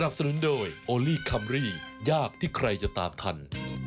สนุนโดยโอลี่คัมรี่ยากที่ใครจะตามทัน